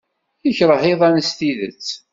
Yekṛeh iḍan s tidet.